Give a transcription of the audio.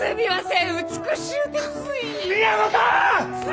宮本！